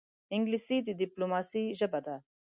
انګلیسي د ډیپلوماسې ژبه ده